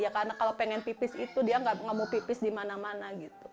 karena kalau ingin pipis dia tidak mau pipis di mana mana